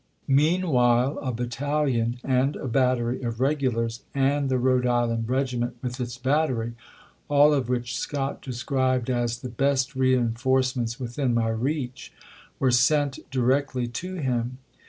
Meanwhile a battalion, and a battery of 316 ABRAHAM LINCOLN ch. XVIII. regulars, and tlie Rhode Island regiment with its battery, all of which Scott described as " the best reenforcements within my reach," were sent di rectly to him.